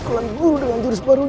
aku akan menangkapmu